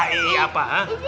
iii apa hah